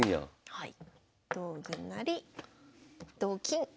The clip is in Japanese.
はい。